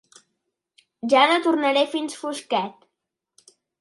Ja no tornaré fins fosquet.